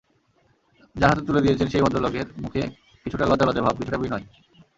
যাঁর হাতে তুলে দিয়েছেন, সেই ভদ্রলোকের মুখে কিছুটা লজ্জা-লজ্জা ভাব, কিছুটা বিনয়।